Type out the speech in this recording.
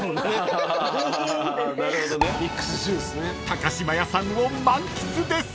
［高島屋さんを満喫です］